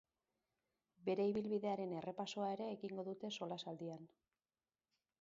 Bere ibilbidearen errepasoa ere egingo dute solasaldian.